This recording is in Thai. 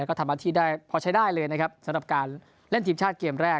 ก็ทำหน้าที่ได้พอใช้ได้เลยนะครับสำหรับการเล่นทีมชาติเกมแรก